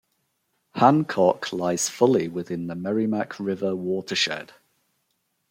Hancock lies fully within the Merrimack River watershed.